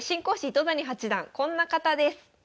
糸谷八段こんな方です。